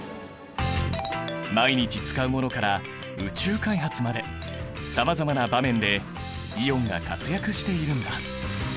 毎日使うものから宇宙開発までさまざまな場面でイオンが活躍しているんだ。